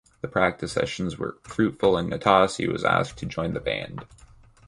The practice sessions were fruitful and Nastasi was asked to join the band.